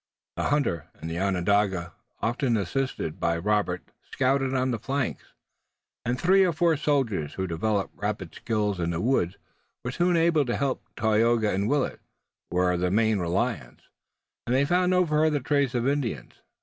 The hunter and the Onondaga, often assisted by Robert, scouted on the flanks, and three or four soldiers, who developed rapid skill in the woods, were soon able to help. But Tayoga and Willet were the main reliance, and they found no further trace of Indians.